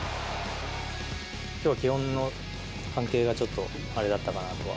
きょうは気温の関係がちょっとあれだったかなとは。